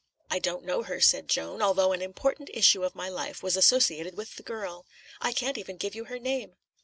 "I don't know her," said Joan, "although an important issue of my life was associated with the girl. I can't even give you her name."